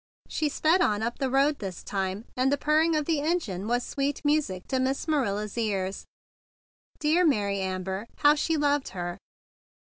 She sped on up the road this time, and the purring of the engine was sweet music to Miss Ma 119 THE BIG BLUE SOLDIER rilla's ears. Dear Mary Amber, how she loved her!